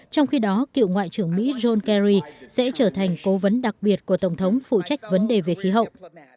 trong khi đó cựu ngoại trưởng mỹ john kerry sẽ trở thành cố vấn đặc biệt của tổng thống phụ trách vấn đề về khí hậu